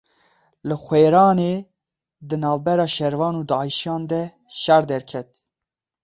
Li Xwêranê di navbera şervan û Daişiyan de şer derket.